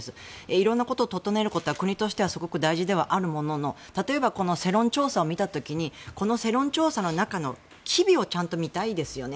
いろんなことを整えることは国としては大事ではあるものの例えば、世論調査を見た時にこの世論調査の中の機微をちゃんと見たいですよね。